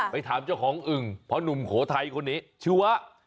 เป็นถามเจ้าของอึงเพราะนมโโฆไทยคนนี้ชื่อว่า